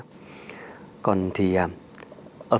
còn thì ở phút này thì tôi cũng muốn nói về những câu chuyện này